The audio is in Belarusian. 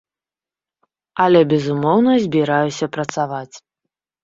Але, безумоўна, збіраюся працаваць.